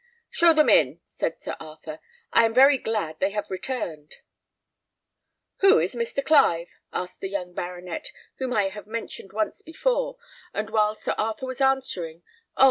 "Show them in," said Sir Arthur. "I am very glad they have returned." "Who is Mr. Clive?" asked the young baronet, whom I have mentioned once before, and while Sir Arthur was answering, "Oh!